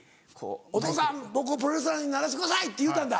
お父さん僕をプロレスラーにならせてくださいって言うたんだ。